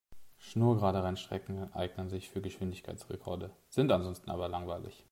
Schnurgerade Rennstrecken eignen sich für Geschwindigkeitsrekorde, sind ansonsten aber langweilig.